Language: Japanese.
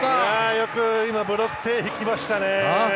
よく今、ブロック手を引きましたね。